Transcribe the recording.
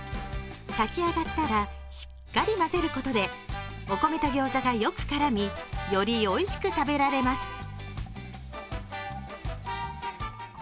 炊き上がったらしっかり混ぜることでお米とギョーザがよく絡みよりおいしく食べられます。